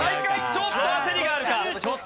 ちょっと焦りがあるか。